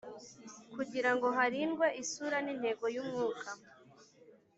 Kugirango harindwe isura n intego y umwuka